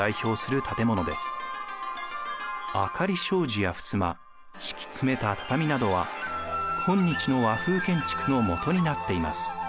明かり障子やふすま敷き詰めた畳などは今日の和風建築のもとになっています。